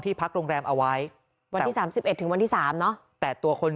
พักโรงแรมเอาไว้วันที่๓๑ถึงวันที่๓เนอะแต่ตัวคน